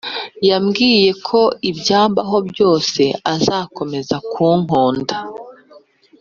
yambwiye ko ibyambaho byose azakomeza kunkunda